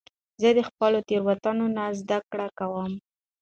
زه د خپلو تیروتنو نه زده کړه کوم.